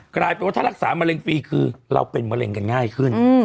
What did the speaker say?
กลายเป็นว่าถ้ารักษามะเร็งฟรีคือเราเป็นมะเร็งกันง่ายขึ้น